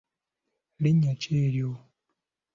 Linnya ki eryo?